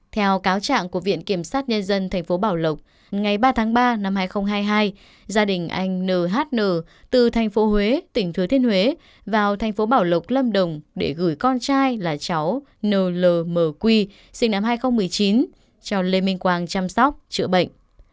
theo cáo trạng của viện kiểm sát nhân dân tp bảo lộc ngày ba tháng ba năm hai nghìn hai mươi hai gia đình anh n h n từ tp huế tỉnh thứ thiên huế vào tp bảo lộc lâm đồng để gửi con trai là cháu n l m quy sinh năm hai nghìn một mươi chín cho lê minh quang chăm sóc chữa bệnh